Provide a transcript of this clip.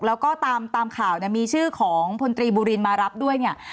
แล้วก็ตามข่าวมีชื่อของพลตรีบุรีนมารับด้วย